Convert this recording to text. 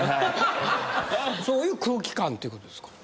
そういう空気感ってことですか？